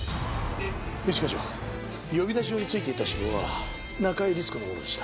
一課長呼び出し状についていた指紋は中井律子のものでした。